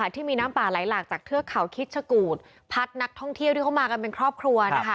ที่มีน้ำป่าไหลหลากจากเทือกเขาคิดชะกูดพัดนักท่องเที่ยวที่เขามากันเป็นครอบครัวนะคะ